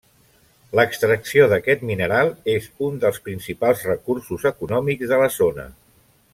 L'extracció d'aquest mineral és un dels principals recursos econòmics de la zona.